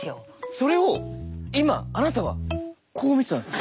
それを今あなたはこう見てたんです。